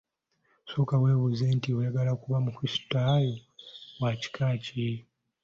Sooka webuuze nti oyagala kuba mukristayo wa kika ki?